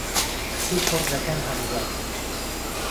کچ و کوڕ دەکەن هەمزەل